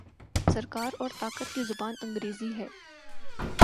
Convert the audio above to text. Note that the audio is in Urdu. سرکار اور طاقت کی زبان انگریزی ہے۔